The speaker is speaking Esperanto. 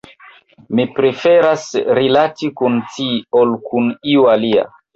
mi preferas rilati kun ci, ol kun iu alia.